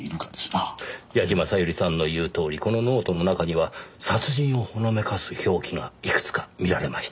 矢嶋小百合さんの言うとおりこのノートの中には殺人をほのめかす表記がいくつか見られました。